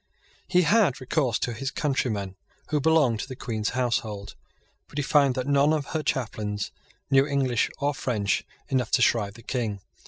He had recourse to his countrymen who belonged to the Queen's household; but he found that none of her chaplains knew English or French enough to shrive the King.